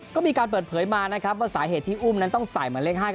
ก็มีการเปิดเผยมานะครับว่าสาเหตุที่อุ้มนั้นต้องใส่หมายเลข๕๗